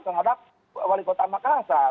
terhadap wali kota makassar